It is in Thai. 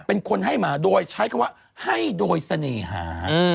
เป็นคนให้มาโดยใช้คำว่าให้โดยเสน่หา